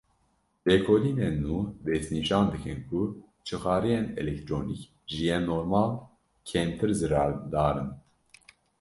Lêkolînên nû destnîşan dikin ku cixareyên elektronîk ji yên normal kêmtir zirardar in.